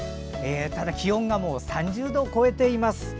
ただ気温が３０度を超えています。